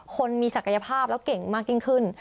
คนมีศักยภาพแล้วเก่งมากยิ่งขึ้น